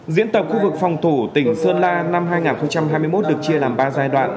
diễn tập khu vực phòng thủ tỉnh sơn la năm hai nghìn hai mươi một được chia làm ba giai đoạn